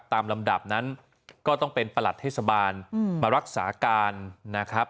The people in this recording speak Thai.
ลำดับนั้นก็ต้องเป็นประหลัดเทศบาลมารักษาการนะครับ